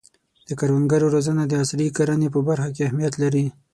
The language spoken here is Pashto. د کروندګرو روزنه د عصري کرنې په برخه کې اهمیت لري.